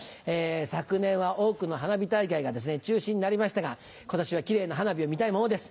昨年は多くの花火大会が中止になりましたが今年はキレイな花火を見たいものです。